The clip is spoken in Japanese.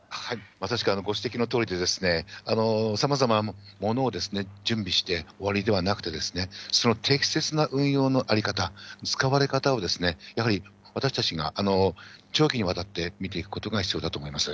確かにご指摘のとおりで、さまざまなものを準備して終わりではなくて、その適切な運用の在り方、使われ方を、やはり私たちが長期にわたって見ていくことが必要だと思います。